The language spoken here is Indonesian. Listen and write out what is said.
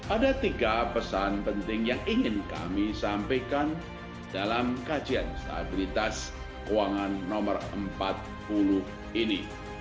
ada tiga pesan penting yang ingin kami sampaikan dalam kajian stabilitas keuangan nomor empat puluh ini